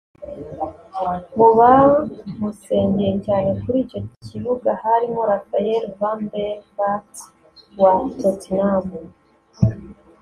Mu bamusengeye cyane kuri icyo kibuga harimo Rafael van Der vaart wa Tottenham